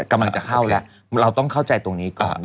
กำลังจะเข้าแล้วเราต้องเข้าใจตรงนี้ก่อน